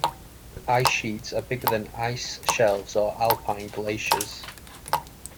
Ice sheets are bigger than ice shelves or alpine glaciers.